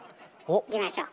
いきましょう。